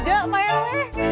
ndak pak rw